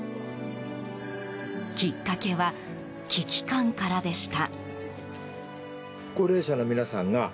きっかけは危機感からでした。